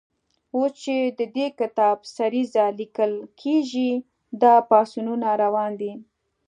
اوس چې د دې کتاب سریزه لیکل کېږي، دا پاڅونونه روان دي.